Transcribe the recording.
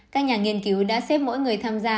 các nhà nghiên cứu đã xếp mỗi người tham gia